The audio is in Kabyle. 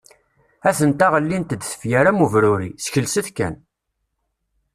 Atent-a ɣellint-d tefyar am ubruri, skelset kan!